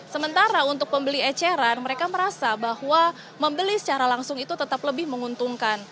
sementara untuk pembeli eceran mereka merasa bahwa membeli secara langsung itu tetap lebih menguntungkan